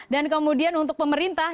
dan kemudian untuk pemerintah